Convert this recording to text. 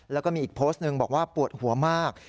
แล้วก็มีอีกโพสต์หนึ่งบอกว่าปวดหัวมาก